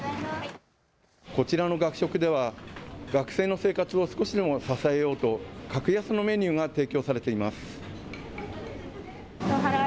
こちらの学食では学生の生活を少しでも支えようと格安のメニューが提供されています。